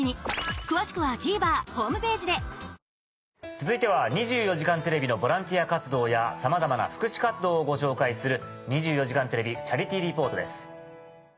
続いては『２４時間テレビ』のボランティア活動やさまざまな福祉活動をご紹介する。